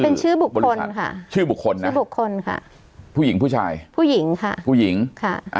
เป็นชื่อบุคคลค่ะชื่อบุคคลนะชื่อบุคคลค่ะผู้หญิงผู้ชายผู้หญิงค่ะผู้หญิงค่ะอ่า